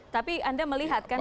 tapi anda melihatkan